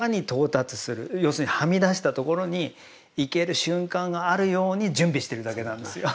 要するにはみ出したところに行ける瞬間があるように準備してるだけなんですよ。